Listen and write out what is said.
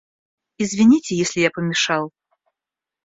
Извините, если я помешал.